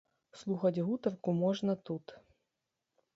Слухаць гутарку можна тут.